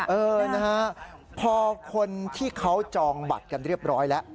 เออนะฮะพอคนที่เขาจองบัตรกันเรียบร้อยแล้ว